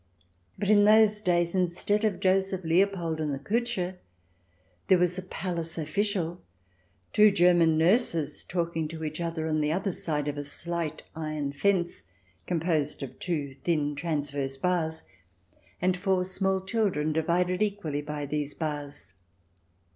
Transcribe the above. But in those days, instead of Joseph Leopold and the Kutscher, there was a palace official, and two German nurses talking to each other on the other side of a slight iron fence composed of two thin transverse bars, and four small children divided equally by these bars.